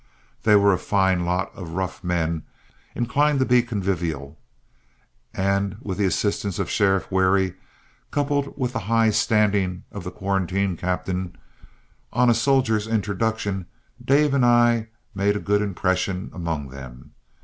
They were a fine lot of rough men, inclined to be convivial, and with the assistance of Sheriff Wherry, coupled with the high standing of the quarantine captain, on a soldier's introduction Dave and I made a good impression among them.